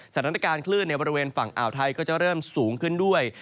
สถานการณ์คลื่นในบริเวณฝั่งอ่าวไทยก็จะเริ่มสูงขึ้นด้วย